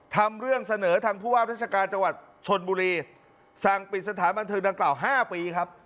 ทำเรื่องเสนอทางผู้ว่าราชการจังหวัดชนบุรีสั่งปิดสถานบันเทิงดังกล่าว๕ปีครับ